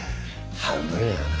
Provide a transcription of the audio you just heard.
半分やがな。